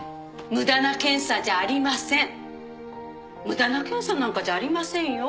無駄な検査なんかじゃありませんよ